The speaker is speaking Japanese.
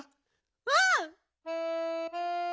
うん！